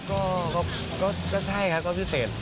ครับก็ก็ใช่ครับก็พิเศษ